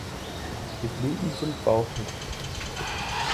Die Blüten sind bauchig.